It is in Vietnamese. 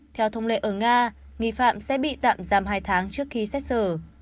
theo thông lệ ở nga nghi phạm sẽ bị tạm giam hai tháng trước khi xét xử